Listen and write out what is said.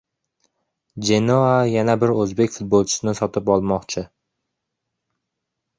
"Jenoa" yana bir o‘zbek futbolchisini sotib olmoqchi